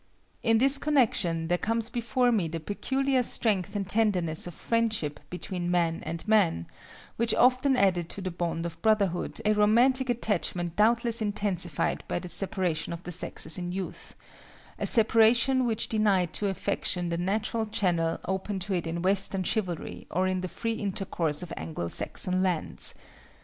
In this connection, there comes before me the peculiar strength and tenderness of friendship between man and man, which often added to the bond of brotherhood a romantic attachment doubtless intensified by the separation of the sexes in youth,—a separation which denied to affection the natural channel open to it in Western chivalry or in the free intercourse of Anglo Saxon lands.